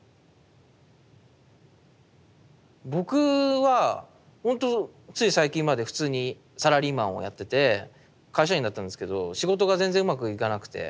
僕はほんとつい最近まで普通にサラリーマンをやってて会社員だったんですけど仕事が全然うまくいかなくて。